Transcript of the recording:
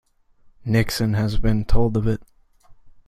Nixon has been told of it.